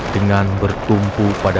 dengan bertumpu pada